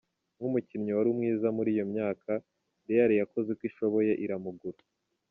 Nk’umukinnyi wari mwiza muri iyo myaka, Real yakoze uko ishoboye iramugura.